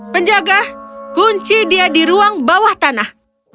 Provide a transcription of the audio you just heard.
penjaga kunci dia di ruang bawah tanah